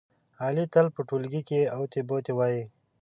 علي تل په ټولگي کې اوتې بوتې وایي.